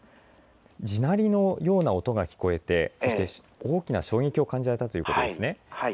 地鳴りのような音が聞こえてそして大きな衝撃を感じられたということですね。